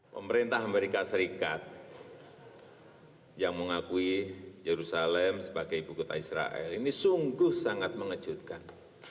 pemerintah amerika serikat yang mengakui jerusalem sebagai ibu kota israel ini sungguh sangat mengejutkan